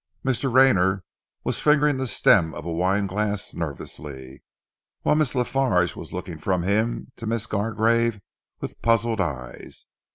Mr. Rayner was fingering the stem of a wine glass nervously, whilst Miss La Farge was looking from him to Miss Gargrave with puzzled eyes.